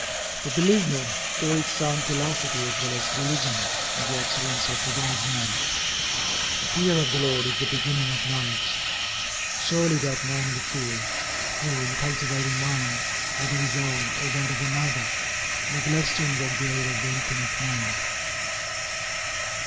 For, believe me, there is sound philosophy as well as religion, in the utterance of the wise man, "The fear of the Lord is the beginning of knowledge." Surely that man is a fool, who in cultivating mind, whether his own or that of another, neglects to invoke the aid of the Infinite Mind.